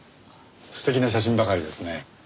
素敵な写真ばかりですね。